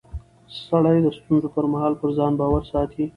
سړی د ستونزو پر مهال پر ځان باور ساتي